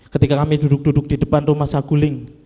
ketika kami duduk duduk di depan rumah saguling